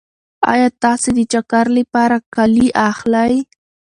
ایا تاسې د چکر لپاره کالي اخلئ؟